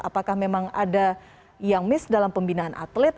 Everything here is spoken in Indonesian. apakah memang ada yang miss dalam pembinaan atlet